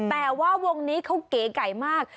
แต่ว่าวงนี้เขาเก๋ไก่มาก